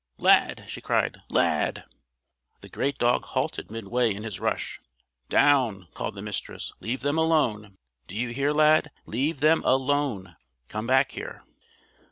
"Lad!" she cried. "Lad!" The great dog halted midway in his rush. "Down!" called the Mistress. "Leave them alone! Do you hear, Lad? Leave them alone! Come back here!"